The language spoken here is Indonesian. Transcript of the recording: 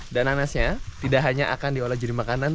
dan nanasnya tidak hanya akan diolah jadi makanan